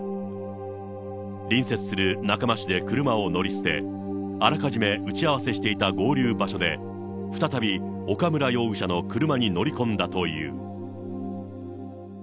隣接する中間市で車を乗り捨て、あらかじめ打ち合わせしていた合流場所で再び岡村容疑者の車に乗り込んだという。